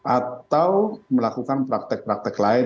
atau melakukan praktek praktek lain